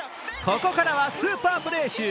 ここからはスーパープレー集。